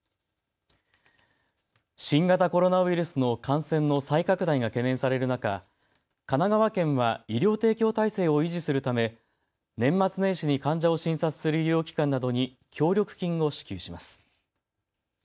新型コロナウイルスの感染の再拡大が懸念される中、神奈川県は医療提供体制を維持するため年末年始に患者を診察する医療機関などに協力金を支給します。